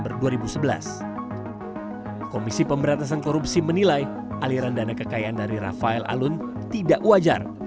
komisi pemberantasan korupsi menilai aliran dana kekayaan dari rafael alun tidak wajar